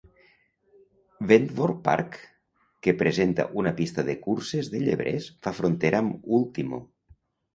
Wentworth Park, que presenta una pista de curses de llebrers, fa frontera amb Ultimo.